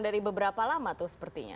dari beberapa lama tuh sepertinya